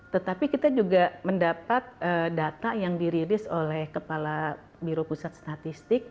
tetapi kita juga mendapat data yang dirilis oleh kepala biro pusat statistik